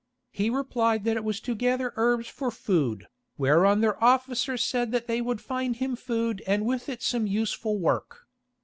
He replied that it was to gather herbs for food, whereon their officer said that they would find him food and with it some useful work.